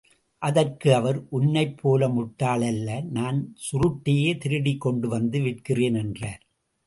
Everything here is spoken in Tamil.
அதற்கு அவர், உன்னைப் போல முட்டாள் அல்ல நான் சுருட்டையே திருடிக் கொண்டுவந்து விற்கிறேன் என்றார்.